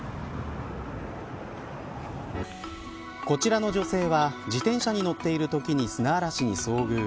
こちらの女性は自転車に乗っているときに砂嵐に遭遇。